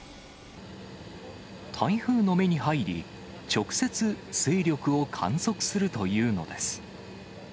台風の目に入り、直接勢力を観測するというのです。